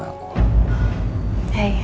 mereka langsung gak bisa menerima aku